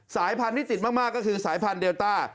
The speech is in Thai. สายพันธุ์ที่ติดมากก็คือสายพันธุเดลต้า